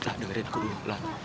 lah doakan aku dulu lah